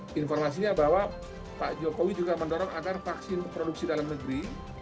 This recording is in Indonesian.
dan informasinya bahwa pak jokowi juga mendorong agar vaksin produksi dalam negeri